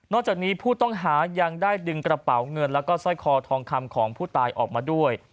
จากนี้ผู้ต้องหายังได้ดึงกระเป๋าเงินแล้วก็สร้อยคอทองคำของผู้ตายออกมาด้วย